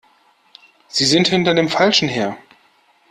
Sie sind hinter dem Falschen her!